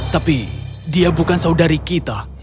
tapi dia bukan saudari kita